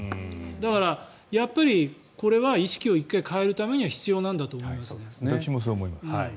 だからやっぱりこれは意識を１回変えるためには私もそう思います。